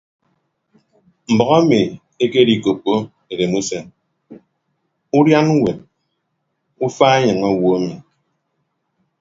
Mbʌk emi ekedikoppo edemusen udian ñwet ufa enyịñ owo emi.